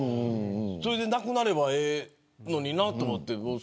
それでなくなれば、ええのになと思って。